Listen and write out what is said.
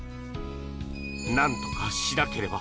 なんとかしなければ。